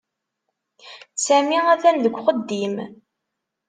Sami atan deg uxeddim.